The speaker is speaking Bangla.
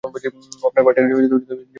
ও আপনার পার্টনারের জীবন বাঁচিয়েছে।